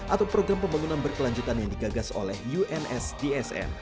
atau program pembangunan berkelanjutan yang digagas oleh unsdsn